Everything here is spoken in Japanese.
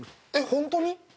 ホントに？